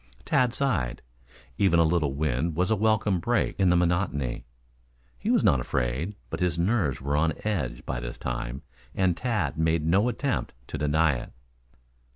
Tad sighed. Even a little wind was a welcome break in the monotony. He was not afraid, but his nerves were on edge by this time, and Tad made no attempt to deny it.